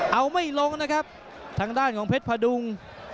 เอาไม่ลงนะครับทางด้านของเพชรพดุง